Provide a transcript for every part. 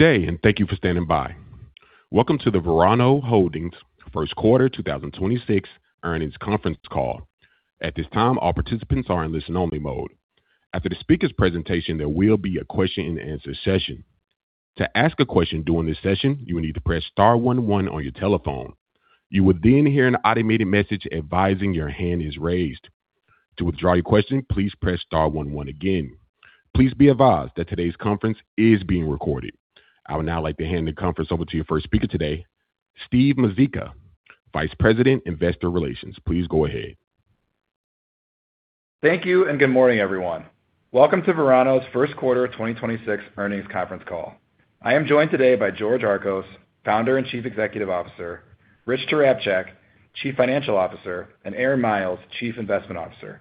Good day, and thank you for standing by. Welcome to the Verano Holdings First Quarter 2026 Earnings Conference Call. At this time, all participants are in listen-only mode. After the speaker's presentation, there will be a question-and-answer session. To ask a question during this session, you will need to press star one one on your telephone. You will then hear an automated message advising your hand is raised. To withdraw your question, please press star one one again. Please be advised that today's conference is being recorded. I would now like to hand the conference over to your first speaker today, Steve Mazeika, Vice President, Investor Relations. Please go ahead. Thank you, and good morning, everyone. Welcome to Verano's First Quarter 2026 Earnings Conference Call. I am joined today by George Archos, Founder and Chief Executive Officer, Richard Tarapchak, Chief Financial Officer, and Aaron Miles, Chief Investment Officer.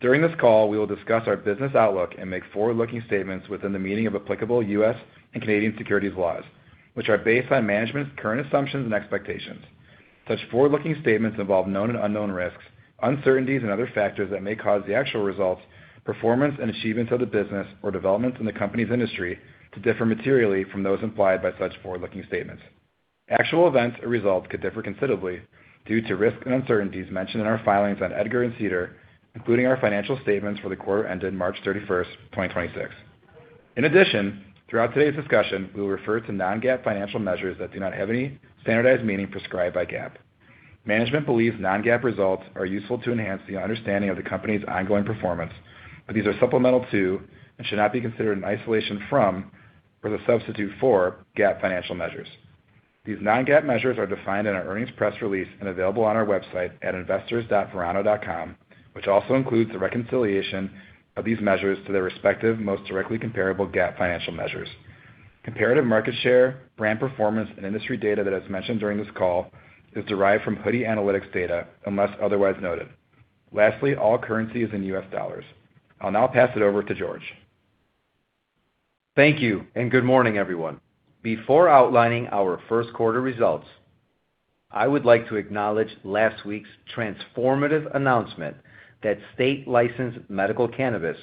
During this call, we will discuss our business outlook and make forward-looking statements within the meaning of applicable U.S. and Canadian securities laws, which are based on management's current assumptions and expectations. Such forward-looking statements involve known and unknown risks, uncertainties, and other factors that may cause the actual results, performance, and achievements of the business or developments in the company's industry to differ materially from those implied by such forward-looking statements. Actual events or results could differ considerably due to risks and uncertainties mentioned in our filings on EDGAR and SEDAR, including our financial statements for the quarter ended March 31, 2026. In addition, throughout today's discussion, we will refer to non-GAAP financial measures that do not have any standardized meaning prescribed by GAAP. Management believes non-GAAP results are useful to enhance the understanding of the company's ongoing performance, but these are supplemental to, and should not be considered in isolation from, or the substitute for, GAAP financial measures. These non-GAAP measures are defined in our earnings press release and available on our website at investors.verano.com, which also includes the reconciliation of these measures to their respective most directly comparable GAAP financial measures. Comparative market share, brand performance, and industry data that is mentioned during this call is derived from Hoodie Analytics data unless otherwise noted. Lastly, all currency is in US dollars. I'll now pass it over to George. Thank you, and good morning, everyone. Before outlining our first quarter results, I would like to acknowledge last week's transformative announcement that state-licensed medical cannabis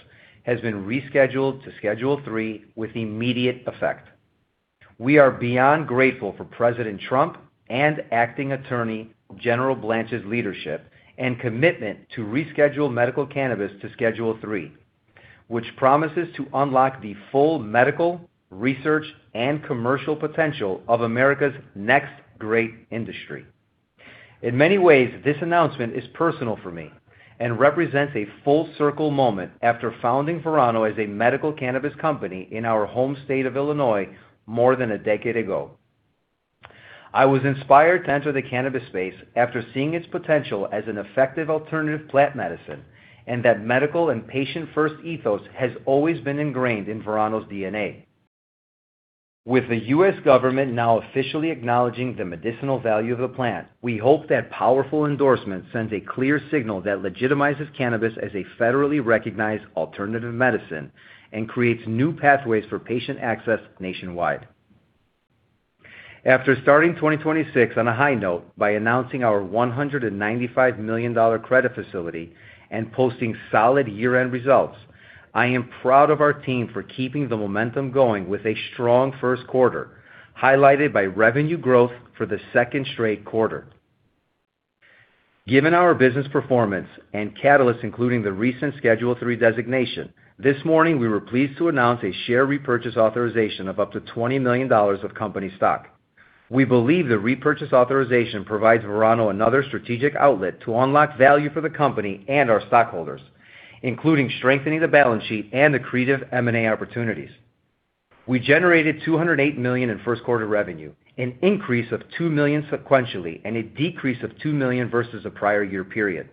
has been rescheduled to Schedule III with immediate effect. We are beyond grateful for President Trump and Acting Attorney General Blanche's leadership and commitment to reschedule medical cannabis to Schedule III, which promises to unlock the full medical, research, and commercial potential of America's next great industry. In many ways, this announcement is personal for me and represents a full circle moment after founding Verano as a medical cannabis company in our home state of Illinois more than a decade ago. I was inspired to enter the cannabis space after seeing its potential as an effective alternative plant medicine. That medical and patient-first ethos has always been ingrained in Verano's DNA. With the U.S. government now officially acknowledging the medicinal value of the plant, we hope that powerful endorsement sends a clear signal that legitimizes cannabis as a federally recognized alternative medicine and creates new pathways for patient access nationwide. After starting 2026 on a high note by announcing our $195 million credit facility and posting solid year-end results, I am proud of our team for keeping the momentum going with a strong first quarter, highlighted by revenue growth for the second straight quarter. Given our business performance and catalysts, including the recent Schedule III designation, this morning we were pleased to announce a share repurchase authorization of up to $20 million of company stock. We believe the repurchase authorization provides Verano another strategic outlet to unlock value for the company and our stockholders, including strengthening the balance sheet and accretive M&A opportunities. We generated $208 million in first quarter revenue, an increase of $2 million sequentially and a decrease of $2 million versus the prior year period.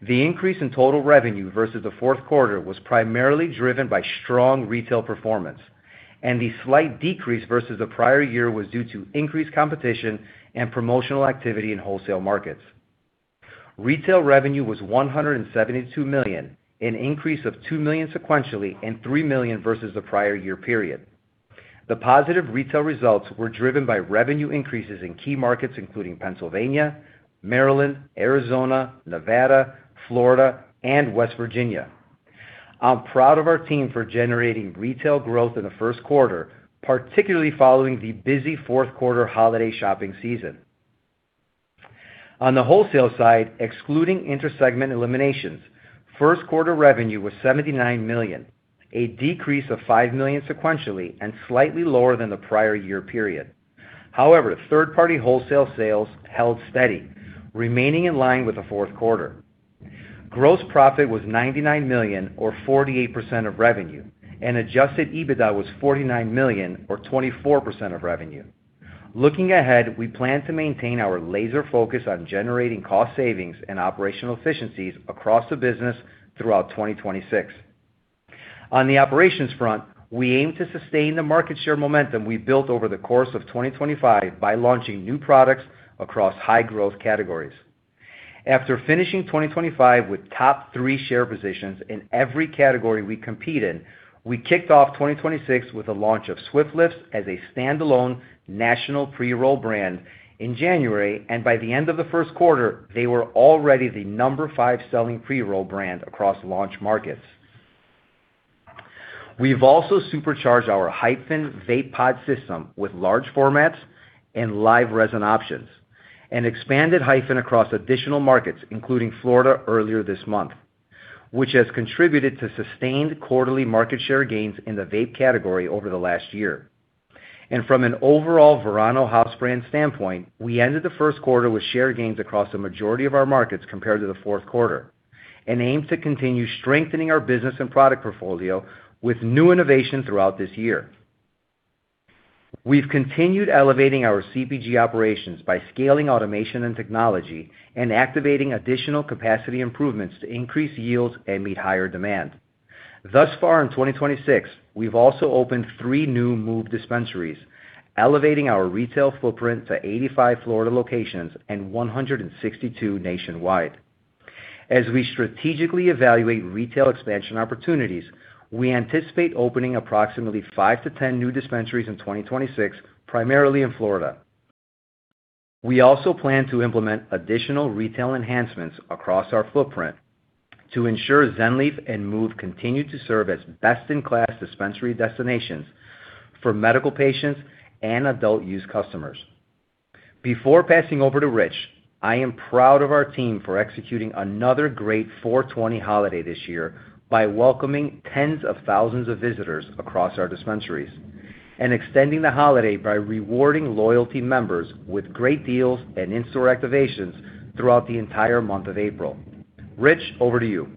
The increase in total revenue versus the fourth quarter was primarily driven by strong retail performance, and the slight decrease versus the prior year was due to increased competition and promotional activity in wholesale markets. Retail revenue was $172 million, an increase of $2 million sequentially and $3 million versus the prior year period. The positive retail results were driven by revenue increases in key markets including Pennsylvania, Maryland, Arizona, Nevada, Florida, and West Virginia. I'm proud of our team for generating retail growth in the first quarter, particularly following the busy fourth quarter holiday shopping season. On the wholesale side, excluding inter-segment eliminations, first quarter revenue was $79 million, a decrease of $5 million sequentially and slightly lower than the prior year period. However, third-party wholesale sales held steady, remaining in line with the fourth quarter. Gross profit was $99 million or 48% of revenue, and Adjusted EBITDA was $49 million or 24% of revenue. Looking ahead, we plan to maintain our laser focus on generating cost savings and operational efficiencies across the business throughout 2026. On the operations front, we aim to sustain the market share momentum we built over the course of 2025 by launching new products across high-growth categories. After finishing 2025 with top 3 share positions in every category we compete in, we kicked off 2026 with the launch of Swift Lifts as a standalone national pre-roll brand in January, and by the end of the first quarter, they were already the number 5 selling pre-roll brand across launch markets. We've also supercharged our HYPHEN vape pod system with large formats and live resin options, and expanded HYPHEN across additional markets, including Florida earlier this month, which has contributed to sustained quarterly market share gains in the vape category over the last year. From an overall Verano House brand standpoint, we ended the first quarter with share gains across the majority of our markets compared to the fourth quarter, and aim to continue strengthening our business and product portfolio with new innovation throughout this year. We've continued elevating our CPG operations by scaling automation and technology and activating additional capacity improvements to increase yields and meet higher demand. Thus far in 2026, we've also opened 3 new MÜV dispensaries, elevating our retail footprint to 85 Florida locations and 162 nationwide. As we strategically evaluate retail expansion opportunities, we anticipate opening approximately 5-10 new dispensaries in 2026, primarily in Florida. We also plan to implement additional retail enhancements across our footprint to ensure Zen Leaf and MÜV continue to serve as best-in-class dispensary destinations for medical patients and adult use customers. Before passing over to Rich, I am proud of our team for executing another great 4/20 holiday this year by welcoming tens of thousands of visitors across our dispensaries, extending the holiday by rewarding loyalty members with great deals and in-store activations throughout the entire month of April. Rich, over to you.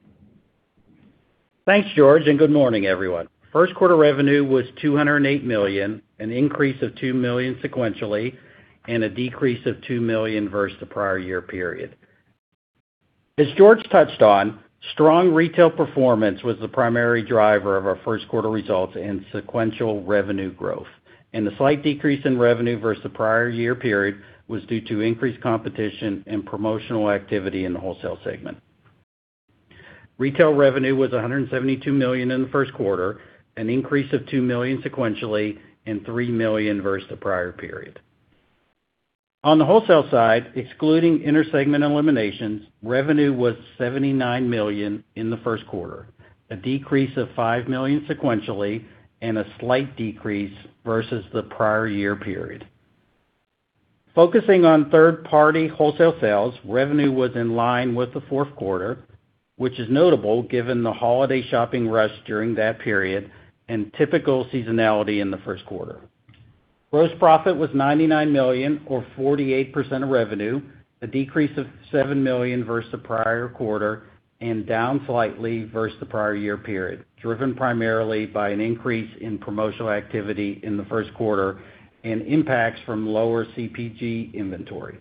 Thanks, George, and good morning, everyone. First quarter revenue was $208 million, an increase of $2 million sequentially and a decrease of $2 million versus the prior year period. As George touched on, strong retail performance was the primary driver of our first quarter results and sequential revenue growth. The slight decrease in revenue versus the prior year period was due to increased competition and promotional activity in the wholesale segment. Retail revenue was $172 million in the first quarter, an increase of $2 million sequentially and $3 million versus the prior period. On the wholesale side, excluding inter-segment eliminations, revenue was $79 million in the first quarter, a decrease of $5 million sequentially and a slight decrease versus the prior year period. Focusing on third-party wholesale sales, revenue was in line with the fourth quarter, which is notable given the holiday shopping rush during that period and typical seasonality in the first quarter. Gross profit was $99 million or 48% of revenue, a decrease of $7 million versus the prior quarter and down slightly versus the prior year period, driven primarily by an increase in promotional activity in the first quarter and impacts from lower CPG inventory.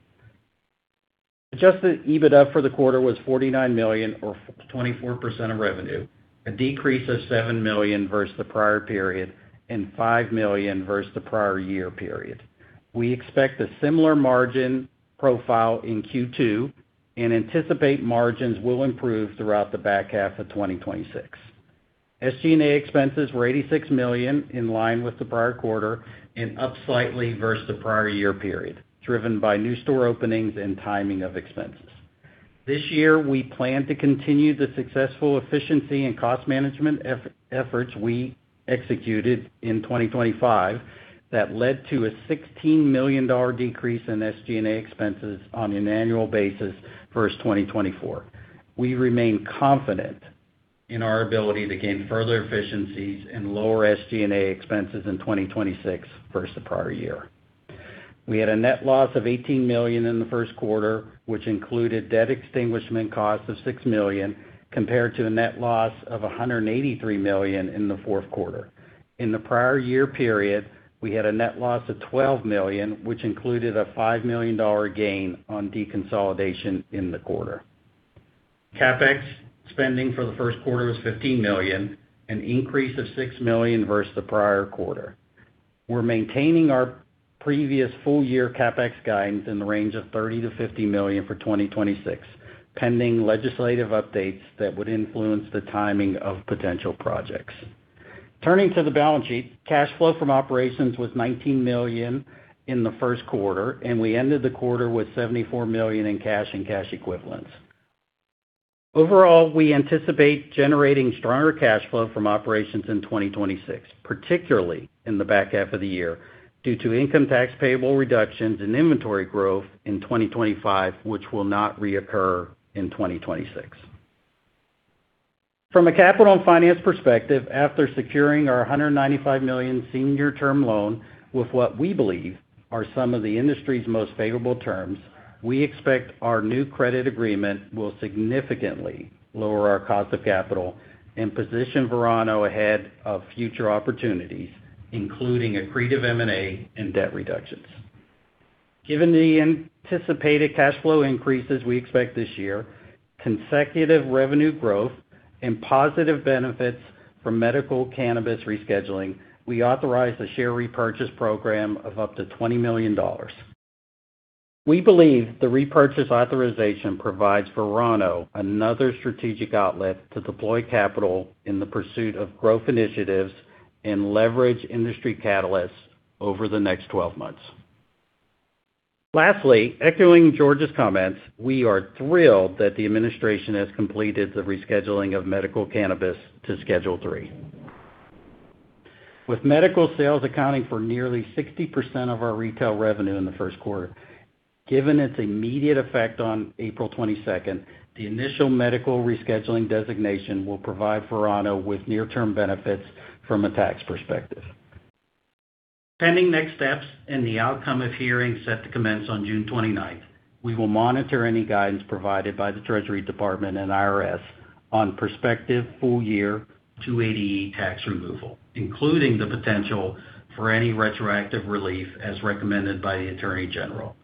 Adjusted EBITDA for the quarter was $49 million or 24% of revenue, a decrease of $7 million versus the prior period and $5 million versus the prior year period. We expect a similar margin profile in Q2, and anticipate margins will improve throughout the back half of 2026. SG&A expenses were $86 million, in line with the prior quarter and up slightly versus the prior year period, driven by new store openings and timing of expenses. This year, we plan to continue the successful efficiency and cost management efforts we executed in 2025 that led to a $16 million decrease in SG&A expenses on an annual basis versus 2024. We remain confident in our ability to gain further efficiencies and lower SG&A expenses in 2026 versus the prior year. We had a net loss of $18 million in the first quarter, which included debt extinguishment costs of $6 million compared to a net loss of $183 million in the fourth quarter. In the prior year period, we had a net loss of $12 million, which included a $5 million gain on deconsolidation in the quarter. CapEx spending for the first quarter was $15 million, an increase of $6 million versus the prior quarter. We're maintaining our previous full year CapEx guidance in the range of $30 million-$50 million for 2026, pending legislative updates that would influence the timing of potential projects. Turning to the balance sheet, cash flow from operations was $19 million in the first quarter, and we ended the quarter with $74 million in cash and cash equivalents. Overall, we anticipate generating stronger cash flow from operations in 2026, particularly in the back half of the year, due to income tax payable reductions and inventory growth in 2025, which will not reoccur in 2026. From a capital and finance perspective, after securing our $195 million senior term loan with what we believe are some of the industry's most favorable terms, we expect our new credit agreement will significantly lower our cost of capital and position Verano ahead of future opportunities, including accretive M&A and debt reductions. Given the anticipated cash flow increases we expect this year, consecutive revenue growth and positive benefits from medical cannabis rescheduling, we authorized a share repurchase program of up to $20 million. Echoing George's comments, we are thrilled that the administration has completed the rescheduling of medical cannabis to Schedule III. With medical sales accounting for nearly 60% of our retail revenue in the first quarter, given its immediate effect on April 22nd, the initial medical rescheduling designation will provide Verano with near-term benefits from a tax perspective. Pending next steps and the outcome of hearing set to commence on June 29th, we will monitor any guidance provided by the Treasury Department and IRS on prospective full-year 280E tax removal, including the potential for any retroactive relief as recommended by the Attorney General.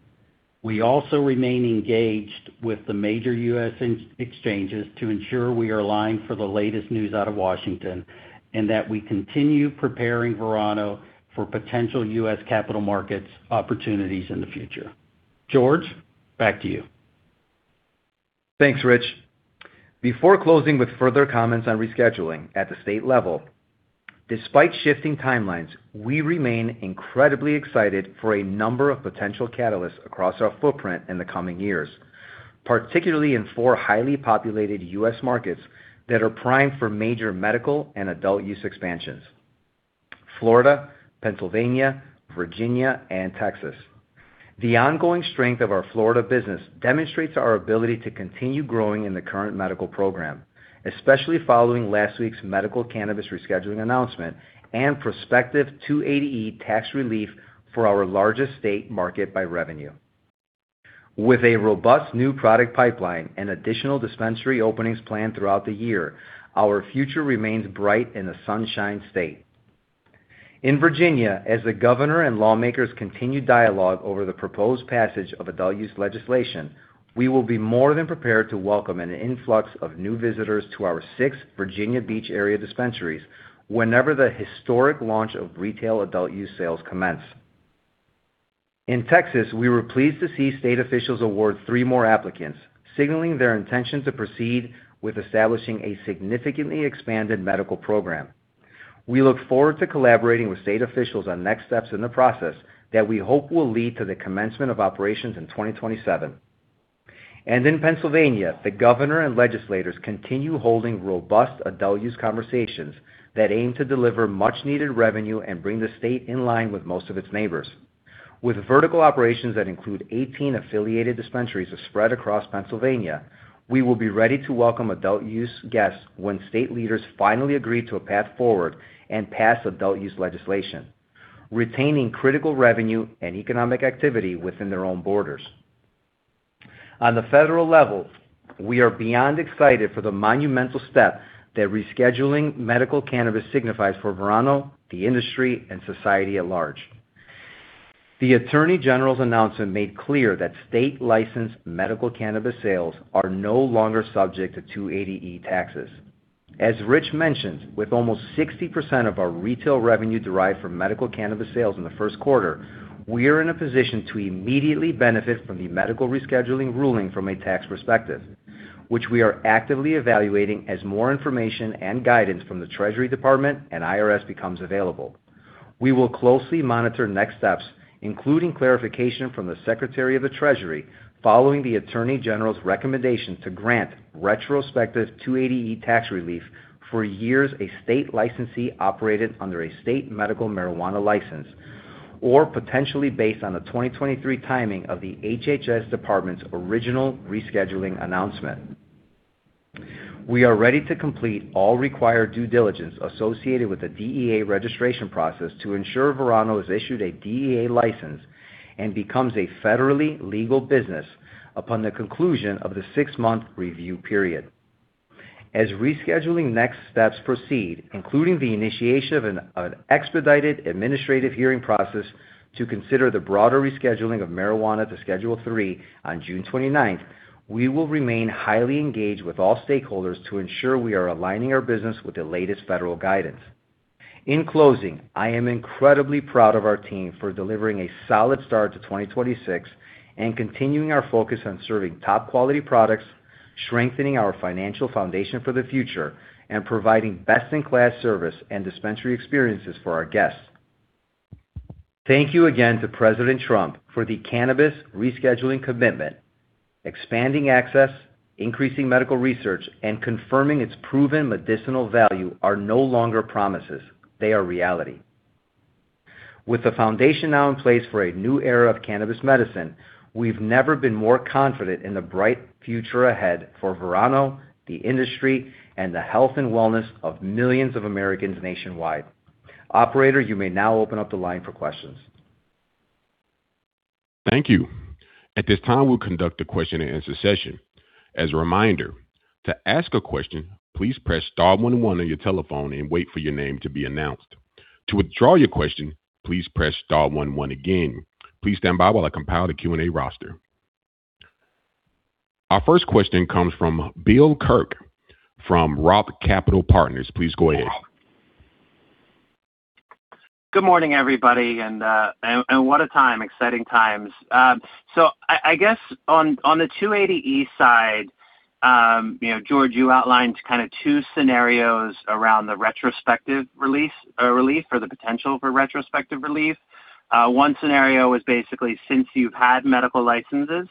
We also remain engaged with the major U.S. exchanges to ensure we are aligned for the latest news out of Washington and that we continue preparing Verano for potential U.S. capital markets opportunities in the future. George, back to you. Thanks, Rich. Before closing with further comments on rescheduling at the state level, despite shifting timelines, we remain incredibly excited for a number of potential catalysts across our footprint in the coming years, particularly in 4 highly populated U.S. markets that are primed for major medical and adult use expansions: Florida, Pennsylvania, Virginia, and Texas. The ongoing strength of our Florida business demonstrates our ability to continue growing in the current medical program, especially following last week's medical cannabis rescheduling announcement and prospective 280E tax relief for our largest state market by revenue. With a robust new product pipeline and additional dispensary openings planned throughout the year, our future remains bright in the Sunshine State. In Virginia, as the governor and lawmakers continue dialogue over the proposed passage of adult use legislation, we will be more than prepared to welcome an influx of new visitors to our six Virginia Beach area dispensaries whenever the historic launch of retail adult use sales commence. In Texas, we were pleased to see state officials award three more applicants, signaling their intention to proceed with establishing a significantly expanded medical program. We look forward to collaborating with state officials on next steps in the process that we hope will lead to the commencement of operations in 2027. In Pennsylvania, the governor and legislators continue holding robust adult use conversations that aim to deliver much-needed revenue and bring the state in line with most of its neighbors. With vertical operations that include 18 affiliated dispensaries spread across Pennsylvania, we will be ready to welcome adult use guests when state leaders finally agree to a path forward and pass adult use legislation, retaining critical revenue and economic activity within their own borders. On the federal level, we are beyond excited for the monumental step that rescheduling medical cannabis signifies for Verano, the industry, and society at large. The Attorney General's announcement made clear that state-licensed medical cannabis sales are no longer subject to 280E taxes. As Rich mentioned, with almost 60% of our retail revenue derived from medical cannabis sales in the first quarter, we are in a position to immediately benefit from the medical rescheduling ruling from a tax perspective, which we are actively evaluating as more information and guidance from the Treasury Department and IRS becomes available. We will closely monitor next steps, including clarification from the Secretary of the Treasury following the Attorney General's recommendation to grant retrospective 280E tax relief for years a state licensee operated under a state medical marijuana license, or potentially based on the 2023 timing of the HHS Department's original rescheduling announcement. We are ready to complete all required due diligence associated with the DEA registration process to ensure Verano is issued a DEA license and becomes a federally legal business upon the conclusion of the six-month review period. As rescheduling next steps proceed, including the initiation of an expedited administrative hearing process to consider the broader rescheduling of marijuana to Schedule III on June 29th, we will remain highly engaged with all stakeholders to ensure we are aligning our business with the latest federal guidance. In closing, I am incredibly proud of our team for delivering a solid start to 2026 and continuing our focus on serving top-quality products, strengthening our financial foundation for the future, and providing best-in-class service and dispensary experiences for our guests. Thank you again to President Trump for the cannabis rescheduling commitment. Expanding access, increasing medical research, and confirming its proven medicinal value are no longer promises. They are reality. With the foundation now in place for a new era of cannabis medicine, we've never been more confident in the bright future ahead for Verano, the industry, and the health and wellness of millions of Americans nationwide. Operator, you may now open up the line for questions. Thank you. At this time, we'll conduct a question-and-answer session. Our first question comes from Bill Kirk from ROTH Capital Partners. Please go ahead. Good morning, everybody, and what a time. Exciting times. I guess on the 280E side, you know, George, you outlined kind of two scenarios around the retrospective release, relief or the potential for retrospective relief. One scenario was basically since you've had medical licenses,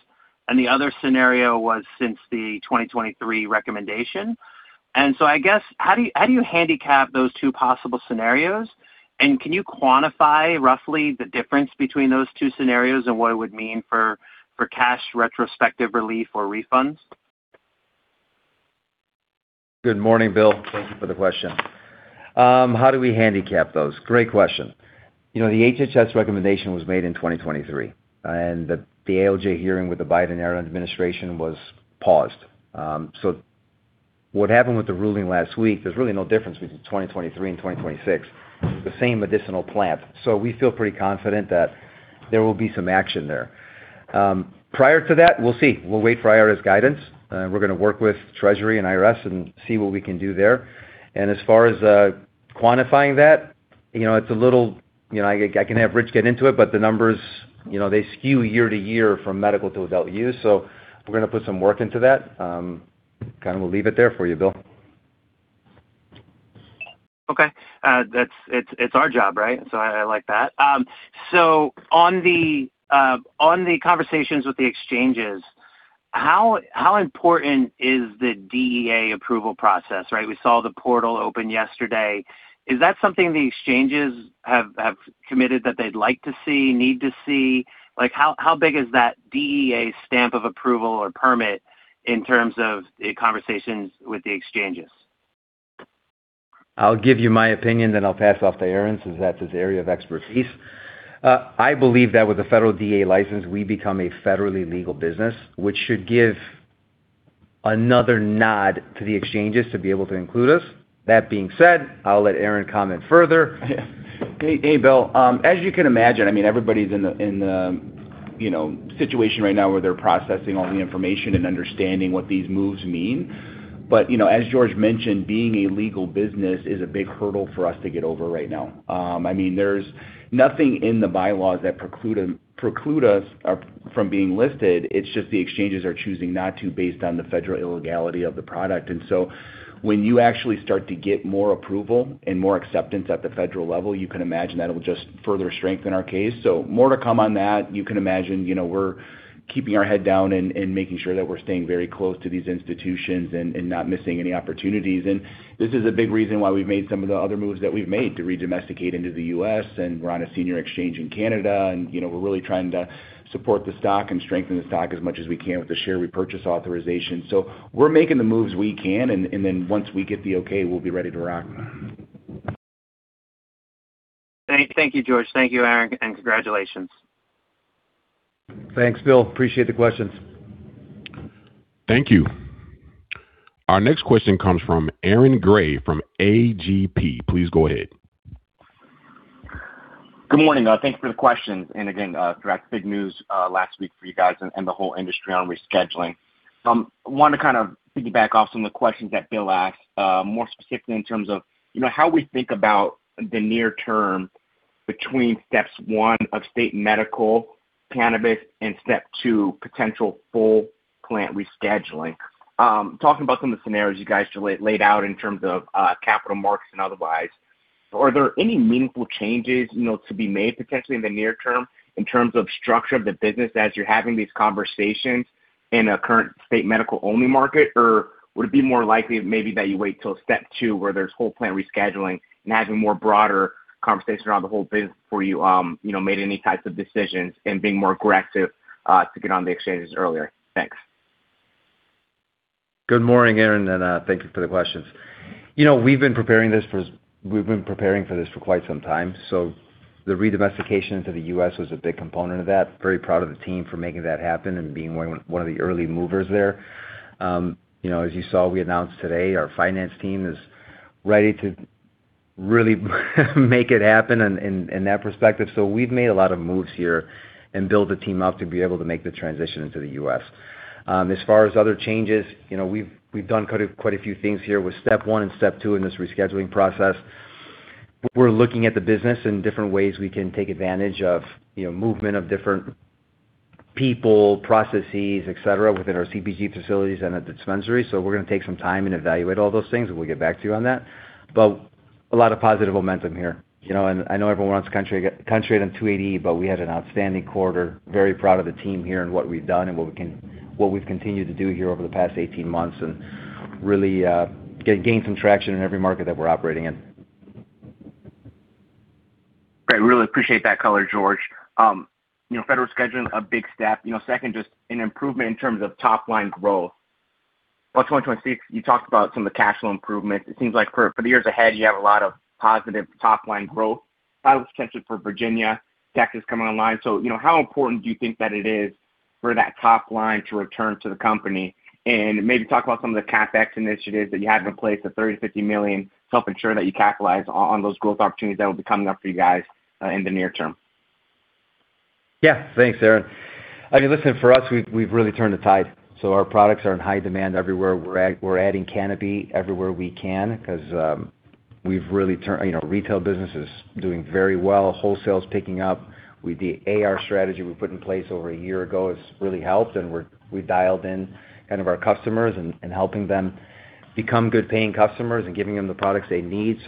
and the other scenario was since the 2023 recommendation. I guess, how do you handicap those two possible scenarios? Can you quantify roughly the difference between those two scenarios and what it would mean for cash retrospective relief or refunds? Good morning, Bill. Thank you for the question. How do we handicap those? Great question. You know, the HHS recommendation was made in 2023, and the ALJ hearing with the Biden era administration was paused. What happened with the ruling last week, there's really no difference between 2023 and 2026. It's the same medicinal plant. We feel pretty confident that there will be some action there. Prior to that, we'll see. We'll wait for IRS guidance. We're gonna work with Treasury and IRS and see what we can do there. As far as quantifying that, you know, it's a little, you know, I can have Rich get into it, but the numbers, you know, they skew year to year from medical to adult use. We're gonna put some work into that. Kind of will leave it there for you, Bill. Okay. It's, it's our job, right? I like that. On the, on the conversations with the exchanges, how important is the DEA approval process, right? We saw the portal open yesterday. Is that something the exchanges have committed that they'd like to see, need to see? Like, how big is that DEA stamp of approval or permit in terms of the conversations with the exchanges? I'll give you my opinion, then I'll pass off to Aaron, since that's his area of expertise. I believe that with a federal DEA license, we become a federally legal business, which should give another nod to the exchanges to be able to include us. That being said, I'll let Aaron comment further. Yeah. Hey, Bill. As you can imagine, I mean, everybody's in the, you know, situation right now where they're processing all the information and understanding what these moves mean. You know, as George mentioned, being a legal business is a big hurdle for us to get over right now. I mean, there's nothing in the bylaws that preclude us from being listed. It's just the exchanges are choosing not to based on the federal illegality of the product. When you actually start to get more approval and more acceptance at the federal level, you can imagine that it'll just further strengthen our case. More to come on that. You can imagine, you know, we're keeping our head down and making sure that we're staying very close to these institutions and not missing any opportunities. This is a big reason why we've made some of the other moves that we've made to re-domesticate into the U.S., and we're on a senior exchange in Canada. You know, we're really trying to support the stock and strengthen the stock as much as we can with the share repurchase authorization. We're making the moves we can, and then once we get the okay, we'll be ready to rock. Thank you, George. Thank you, Aaron, and congratulations. Thanks, Bill. Appreciate the questions. Thank you. Our next question comes from Aaron Grey from AGP. Please go ahead. Good morning. Thank you for the questions. Direct big news last week for you guys and the whole industry on rescheduling. Want to kind of piggyback off some of the questions that Bill Kirk asked, more specifically in terms of, you know, how we think about the near term between steps 1 of state medical cannabis and step 2, potential full plant rescheduling. Talking about some of the scenarios you guys laid out in terms of capital markets and otherwise, are there any meaningful changes, you know, to be made potentially in the near term in terms of structure of the business as you're having these conversations in a current state medical-only market? Would it be more likely maybe that you wait till step 2, where there's whole plant rescheduling and having more broader conversations around the whole business before you know, made any types of decisions and being more aggressive to get on the exchanges earlier? Thanks. Good morning, Aaron, thank you for the questions. You know, we've been preparing for this for quite some time. The re-domestication to the U.S. was a big component of that. Very proud of the team for making that happen and being one of the early movers there. You know, as you saw, we announced today our finance team is ready to really make it happen in that perspective. We've made a lot of moves here and built the team up to be able to make the transition into the U.S. As far as other changes, you know, we've done quite a few things here with step 1 and step 2 in this rescheduling process. We're looking at the business and different ways we can take advantage of, you know, movement of different people, processes, et cetera, within our CPG facilities and at the dispensary. We're gonna take some time and evaluate all those things, and we'll get back to you on that. A lot of positive momentum here, you know, and I know everyone wants country 280E, but we had an outstanding quarter. Very proud of the team here and what we've done and what we've continued to do here over the past 18 months and really gain some traction in every market that we're operating in. Great. Really appreciate that color, George. You know, federal scheduling, a big step. You know, second, just an improvement in terms of top-line growth. Post-2026, you talked about some of the cash flow improvements. It seems like for the years ahead, you have a lot of positive top-line growth, pilots potentially for Virginia, Texas coming online. You know, how important do you think that it is for that top line to return to the company? Maybe talk about some of the CapEx initiatives that you have in place, the $30 million-$50 million, to help ensure that you capitalize on those growth opportunities that will be coming up for you guys in the near term. Thanks, Aaron. I mean, listen, for us, we've really turned the tide. Our products are in high demand everywhere. We're adding canopy everywhere we can because. You know, retail business is doing very well. Wholesale's picking up. The AR strategy we put in place over a year ago has really helped, and we've dialed in kind of our customers and helping them become good paying customers and giving them the products they need.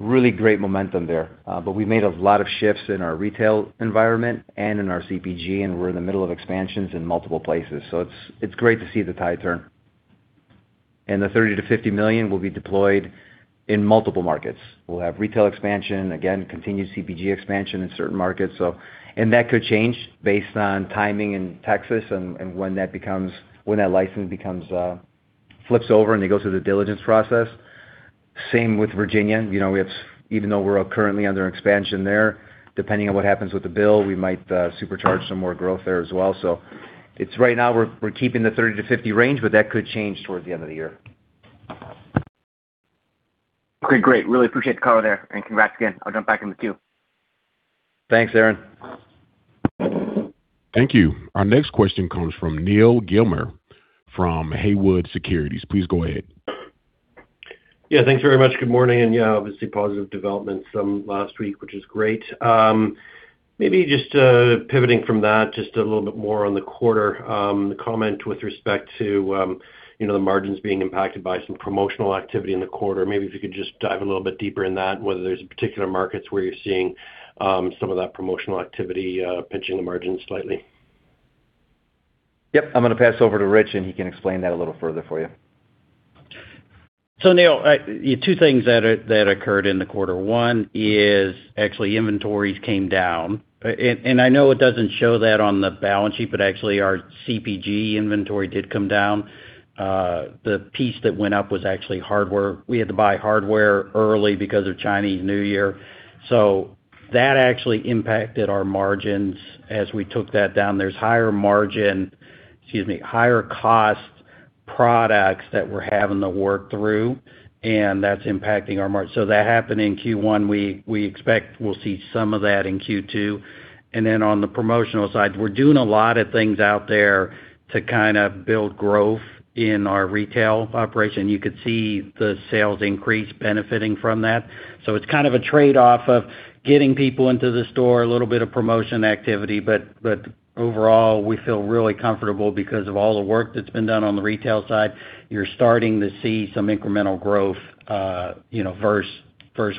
Really great momentum there. We made a lot of shifts in our retail environment and in our CPG, and we're in the middle of expansions in multiple places. It's great to see the tide turn. The $30 million-$50 million will be deployed in multiple markets. We'll have retail expansion, again, continued CPG expansion in certain markets. That could change based on timing in Texas and when that license becomes, flips over, and it goes through the diligence process. Same with Virginia. You know, even though we're currently under expansion there, depending on what happens with the bill, we might supercharge some more growth there as well. It's right now we're keeping the 30-50 range, but that could change towards the end of the year. Okay, great. Really appreciate the call there, and congrats again. I'll jump back in the queue. Thanks, Aaron. Thank you. Our next question comes from Neal Gilmer from Haywood Securities. Please go ahead. Thanks very much. Good morning, obviously positive developments from last week, which is great. Maybe just pivoting from that just a little bit more on the quarter, you know, the margins being impacted by some promotional activity in the quarter. Maybe if you could just dive a little bit deeper in that and whether there's particular markets where you're seeing some of that promotional activity pinching the margins slightly. Yep. I'm gonna pass over to Rich. He can explain that a little further for you. Neal, two things that occurred in the quarter. One is actually inventories came down. I know it doesn't show that on the balance sheet, but actually our CPG inventory did come down. The piece that went up was actually hardware. We had to buy hardware early because of Chinese New Year. That actually impacted our margins as we took that down. There's higher cost products that we're having to work through, and that's impacting our margin. That happened in Q1. We expect we'll see some of that in Q2. On the promotional side, we're doing a lot of things out there to kind of build growth in our retail operation. You could see the sales increase benefiting from that. It's kind of a trade-off of getting people into the store, a little bit of promotion activity. Overall, we feel really comfortable because of all the work that's been done on the retail side. You're starting to see some incremental growth, you know, versus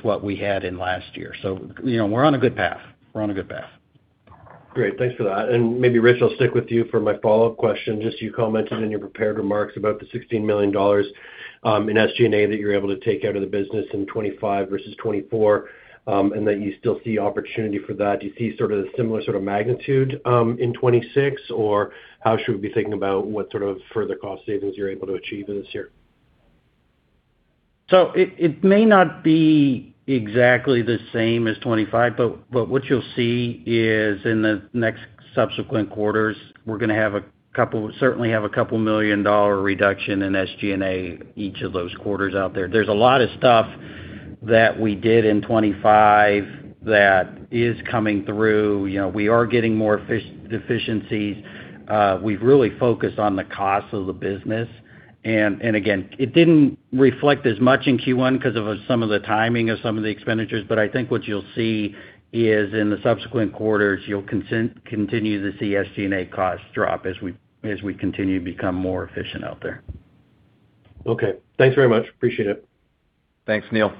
what we had in last year. You know, we're on a good path. Great. Thanks for that. Maybe Rich, I'll stick with you for my follow-up question. Just you commented in your prepared remarks about the $16 million in SG&A that you're able to take out of the business in 2025 versus 2024, and that you still see opportunity for that. Do you see sort of the similar sort of magnitude in 2026? How should we be thinking about what sort of further cost savings you're able to achieve in this year? It may not be exactly the same as 2025, but what you'll see is in the next subsequent quarters, we're going to certainly have a couple million dollar reduction in SG&A each of those quarters out there. There's a lot of stuff that we did in 2025 that is coming through. You know, we are getting more efficiencies. We've really focused on the cost of the business. And again, it didn't reflect as much in Q1 because of some of the timing of some of the expenditures. I think what you'll see is in the subsequent quarters, you'll continue to see SG&A costs drop as we continue to become more efficient out there. Okay. Thanks very much. Appreciate it. Thanks, Neal.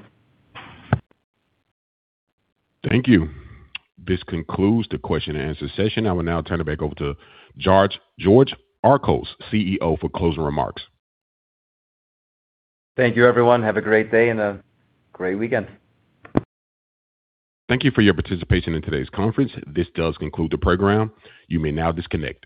Thank you. This concludes the question and answer session. I will now turn it back over to George Archos, CEO, for closing remarks. Thank you, everyone. Have a great day and a great weekend. Thank you for your participation in today's conference. This does conclude the program. You may now disconnect.